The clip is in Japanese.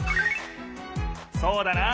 そうだな！